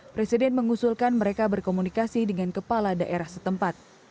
presiden mengusulkan mereka berkomunikasi dengan kepala daerah setempat